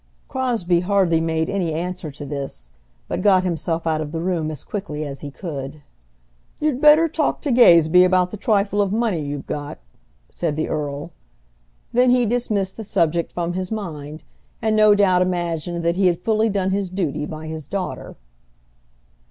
Crosbie hardly made any answer to this, but got himself out of the room as quickly as he could. "You'd better talk to Gazebee about the trifle of money you've got," said the earl. Then he dismissed the subject from his mind, and no doubt imagined that he had fully done his duty by his daughter.